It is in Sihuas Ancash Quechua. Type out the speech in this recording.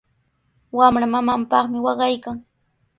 Wamra mamanpaqmi waqaykan.